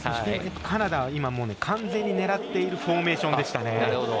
カナダは完全に狙っているフォーメーションでしたね。